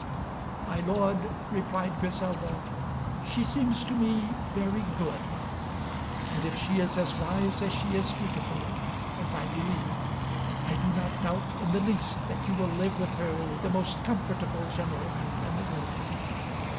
"My lord," replied Griselda, "she seems to me very good, and if she is as wise as she is beautiful, as I believe, I do not doubt in the least that you will live with her the most comfortable gentleman in the world.